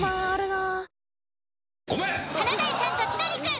「華大さんと千鳥くん」。